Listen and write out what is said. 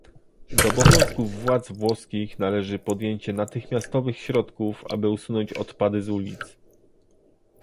Do obowiązków władz włoskich należy podjęcie natychmiastowych środków, aby usunąć odpady z ulic